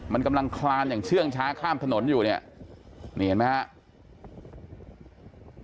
มันกำลังคลานอย่างเชื่องช้าข้ามถนนอยู่เนี่ยนี่เห็นไหมครับ